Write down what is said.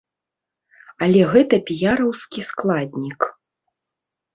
Але гэта піяраўскі складнік.